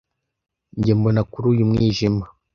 njye mbona kuri uyu mwijima